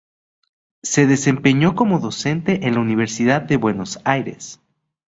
Se desempeñó como docente en la Universidad de Buenos Aires.